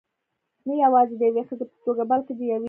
نه یوازې د یوې ښځې په توګه، بلکې د یوې .